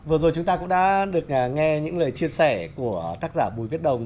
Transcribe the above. vừa rồi chúng ta cũng đã được nghe những lời chia sẻ của tác giả bùi viết đồng